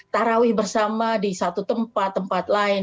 tarawih bersama di satu tempat tempat lain